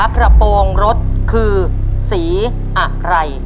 กระโปรงรถคือสีอะไร